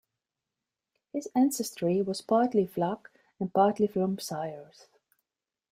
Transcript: His ancestry was partly Vlach and partly from Syros.